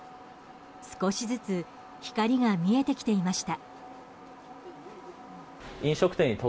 少しずつ光が見えてきていました。